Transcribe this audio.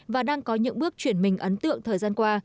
và đang có những bước chuyển mình ấn tượng thời gian qua